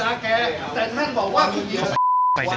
ถ้าเป็นลูกผู้ชาย